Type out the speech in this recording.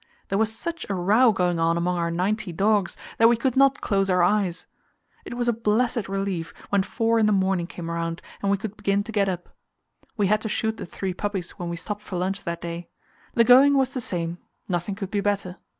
There was such a row going on among our ninety dogs that we could not close our eyes. It was a blessed relief when four in the morning came round, and we could begin to get up. We had to shoot the three puppies when we stopped for lunch that day. The going was the same; nothing could be better.